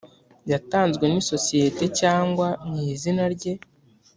yatanzwe n’isosiyete cyangwa mu izina rye